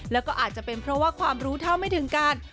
แล้วก็อาจจะเป็นเพราะว่าความรู้เท่าไม่ถึงการ